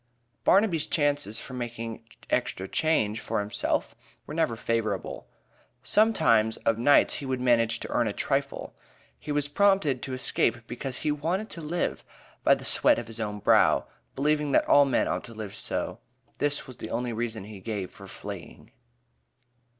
Barnaby's chances for making extra "change" for himself were never favorable; sometimes of "nights" he would manage to earn a "trifle." He was prompted to escape because he "wanted to live by the sweat of his own brow," believing that all men ought so to live. This was the only reason he gave for fleeing.